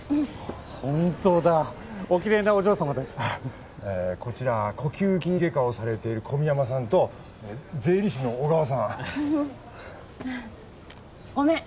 ホントだおきれいなお嬢様でこちら呼吸器外科をされている小宮山さんと税理士の小川さんごめん